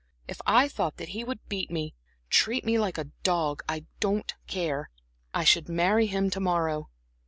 "If I thought that he would beat me, treat me like a dog I don't care; I should marry him to morrow."